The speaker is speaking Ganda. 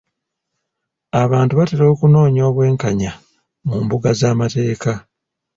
Abantu batera okunoonya obwenkanya mu mbuga z'amateeka.